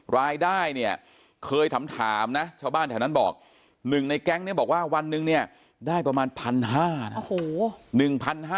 รายได้เนี่ยเคยถามนะชาวบ้านแถวนั้นบอก๑ในแก๊งเนี่ยบอกว่าวันหนึ่งเนี่ยได้ประมาณ๑๕๐๐นะ